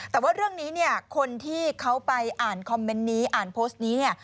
แต่ว่าเรื่องนี้เนี่ยคนที่เขาไปอ่านคอมเมนต์นี้อ่านโพสต์นี้เนี่ย